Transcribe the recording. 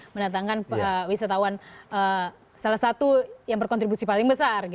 mendatangkan wisatawan salah satu yang berkontribusi paling besar